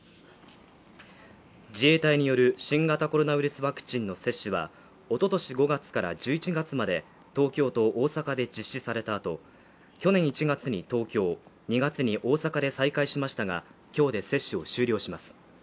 自衛隊による新型コロナウイルスワクチンの接種は、一昨年５月から１１月まで、東京と大阪で実施された後、去年１月に東京２月に大阪で再開しましたが、今日で接種を終了します。